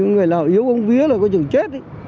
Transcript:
người nào yếu ông vía là có chừng chết